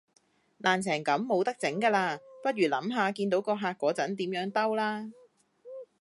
爛成咁冇得整架喇，不如諗下見到個客嗰陣點樣兜啦